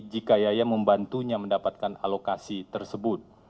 jika yaya membantunya mendapatkan alokasi tersebut